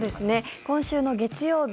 今週の月曜日